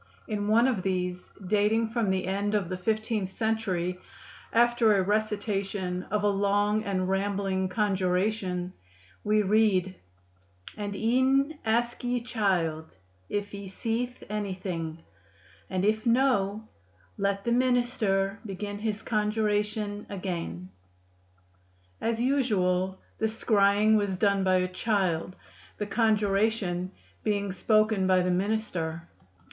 In one of these, dating from the end of the fifteenth century, after a recitation of a long and rambling conjuration, we read: "And y^{en} ask y^e chylde yf h^e seethe any thyng, and yf no, let the m^r begin his conjuratyō agayn." As usual the scrying was done by a child, the conjuration being spoken by the minister.